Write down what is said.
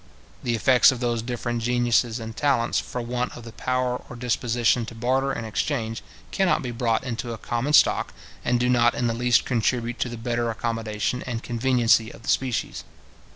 The effects of those different geniuses and talents, for want of the power or disposition to barter and exchange, cannot be brought into a common stock, and do not in the least contribute to the better accommodation and conveniency of the species.